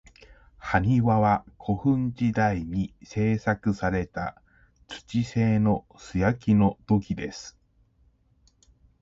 埴輪は、古墳時代に製作された土製の素焼きの土器です。